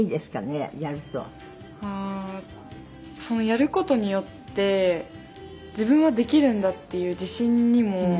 やる事によって自分はできるんだっていう自信にも。